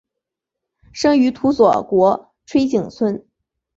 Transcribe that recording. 生于土佐国吹井村。